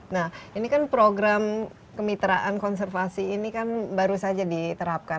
nah ini kan program kemitraan konservasi ini kan baru saja diterapkan